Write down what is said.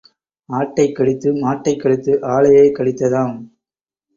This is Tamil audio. ஆட்டைக் கடித்து மாட்டைக் கடித்து ஆளையே கடித்ததாம்.